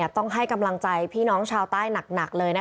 ต้องให้กำลังใจพี่น้องชาวใต้หนักเลย